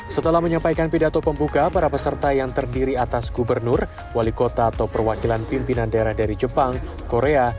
setelah menyampaikan pidato pembuka para peserta yang terdiri atas gubernur wali kota atau perwakilan pimpinan daerah dari jepang korea